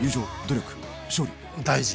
大事。